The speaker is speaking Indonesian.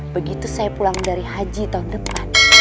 begitu saya pulang dari haji tahun depan